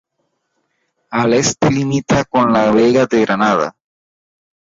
Al Este limita con la Vega de Granada.